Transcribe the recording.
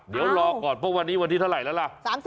เดี๋ยวรอก่อนเพราะวันนี้เท่าไรแล้วล่ะ